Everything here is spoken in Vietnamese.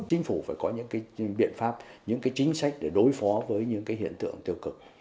chính phủ phải có những biện pháp những chính sách để đối phó với những hiện tượng tiêu cực